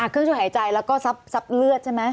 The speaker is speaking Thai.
เครื่องช่วยหายใจแล้วก็ซับเลือดใช่ไหม